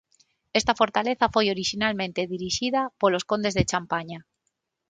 Esta fortaleza foi orixinalmente dirixida polos condes de Champaña.